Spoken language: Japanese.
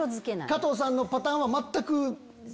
加藤さんのパターンは全く別？